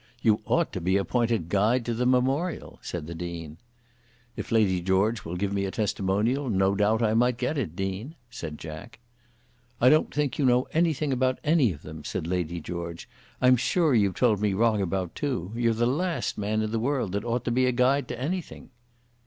"You ought to be appointed Guide to the Memorial," said the Dean. "If Lady George will give me a testimonial no doubt I might get it, Dean," said Jack. "I don't think you know anything about any of them," said Lady George. "I'm sure you've told me wrong about two. You're the last man in the world that ought to be a guide to anything."